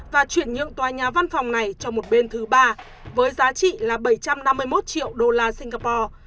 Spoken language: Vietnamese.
và chuyển nhượng tòa nhà văn phòng này cho một bên thứ ba với giá trị là bảy trăm năm mươi một triệu đô la singapore